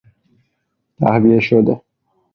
تهویه شده